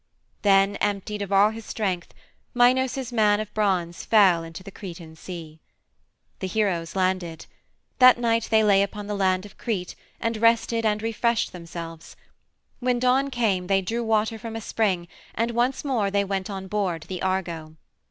Then, emptied of all his strength, Minos's man of bronze fell into the Cretan Sea. The heroes landed. That night they lay upon the land of Crete and rested and refreshed themselves. When dawn came they drew water from a spring, and once more they went on board the Argo.